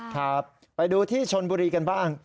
ครับไปดูที่ชนบุรีกันบ้าง